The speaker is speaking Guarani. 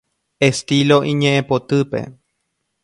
Estilo iñe'ẽpotýpe.